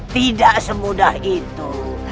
tidak semudah itu